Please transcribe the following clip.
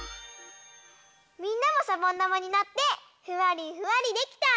みんなもしゃぼんだまになってふわりふわりできた？